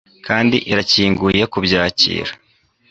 Kandi irakinguye kubyakira